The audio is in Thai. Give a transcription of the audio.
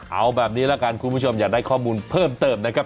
เอาแบบนี้ละกันคุณผู้ชมอยากได้ข้อมูลเพิ่มเติมนะครับ